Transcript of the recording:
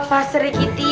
eh pak sergiti